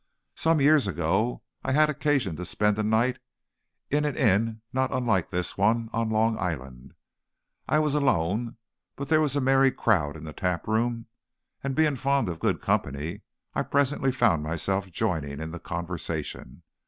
Some years ago I had occasion to spend a night in an inn not unlike this, on Long Island. I was alone, but there was a merry crowd in the tap room, and being fond of good company, I presently found myself joining in the conversation.